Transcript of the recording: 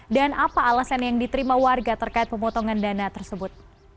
dan apa alasan yang diterima warga terkait pemotongan dana tersebut